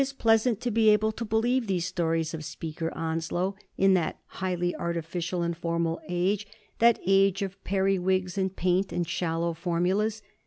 371 pleasant to be able to believe these stories of Speaker Onslow in that highly artificial and formal age — that age of periwigs, and paint, and shallow formulas.